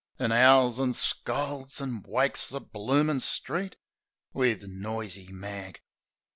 An' 'owls an' scolds an' wakes the bloomin' street Wiv noisy mag.